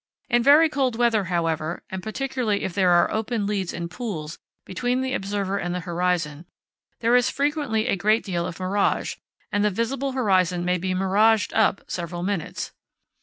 In very cold weather, however, and particularly if there are open leads and pools between the observer and the horizon, there is frequently a great deal of mirage, and the visible horizon may be miraged up several minutes.